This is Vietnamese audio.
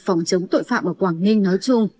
phòng chống tội phạm ở quảng ninh nói chung